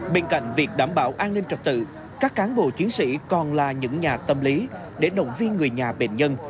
bên cạnh việc đảm bảo an ninh trật tự các cán bộ chiến sĩ còn là những nhà tâm lý để động viên người nhà bệnh nhân